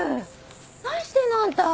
何してんのあんた。